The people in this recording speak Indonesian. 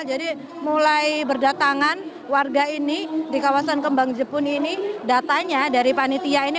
jadi mulai berdatangan warga ini di kawasan kembang jepun ini datanya dari panitia ini